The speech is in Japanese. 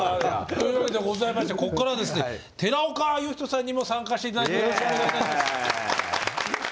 というわけでございましてここからはですね寺岡呼人さんにも参加していただいてよろしくお願いいたします。